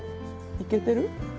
いけてる？